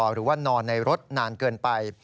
หรือว่านอนในรถนานเกินไป